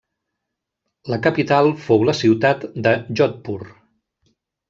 La capital fou la ciutat de Jodhpur.